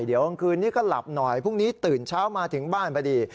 เดี๋ยวกลางคืนนี้ก็หลับหน่อยพรุ่งนี้ตื่นเช้ามาถึงบ้านพอดี